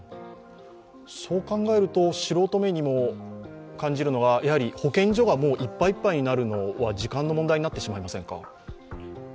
そう考えると素人目にも感じるのは、やはり保健所がもういっぱいいっぱいになるのは時間の問題になってしまいませんか？